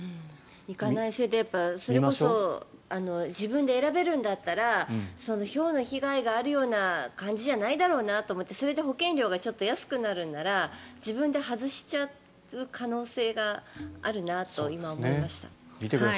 行かないし自分で選べるんだったらひょうの被害があるような感じじゃないだろうなと思ってそれで保険料がちょっと安くなるんなら自分で外しちゃう可能性があるなと今、思いました。